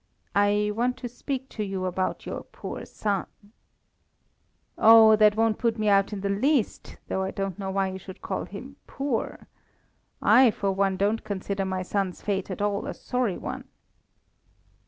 I want to speak to you about your poor son." "Oh, that won't put me out in the least; though I don't know why you should call him poor. I, for one, don't consider my son's fate at all a sorry one."